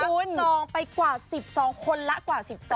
แล้วก็จับไปกว่าสิบสองคนละแล้วกว่าสิบสอง